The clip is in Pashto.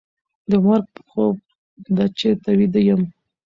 د مرګ په خوب به چېرته ویده یم